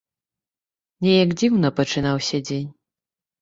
Неяк дзіўна пачынаўся дзень.